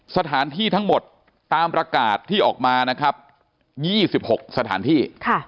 สถานที่ทั้งหมดตามประกาศที่ออกมานะครับ๒๖สถานที่